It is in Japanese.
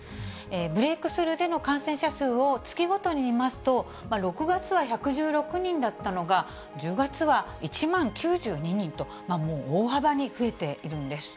ブレイクスルーでの感染者数を月ごとに見ますと、６月は１１６人だったのが、１０月は１万９２人と、もう大幅に増えているんです。